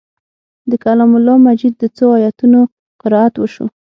د کلام الله مجید د څو آیتونو قرائت وشو.